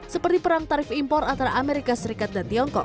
seperti perang tarif impor antara amerika serikat dan tiongkok